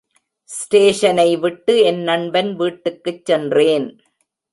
ஸ்டேஷனைவிட்டு என் நண்பன் வீட்டுக்குச் சென்றேன்.